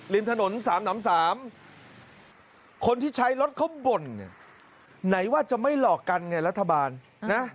ริมถนน๓๓คนที่ใช้รถเขาบ่นไหนว่าจะไม่หลอกกันไงรัฐบาลนะ